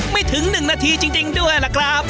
ไม่ถึง๑นาทีจริงด้วยล่ะครับ